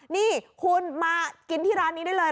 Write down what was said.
นี่คุณมากินที่ร้านนี้ได้เลย